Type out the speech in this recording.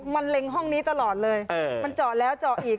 มันเล็งห้องนี้ตลอดเลยมันเจาะแล้วเจาะอีก